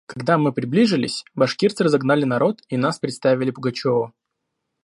Когда мы приближились, башкирцы разогнали народ и нас представили Пугачеву.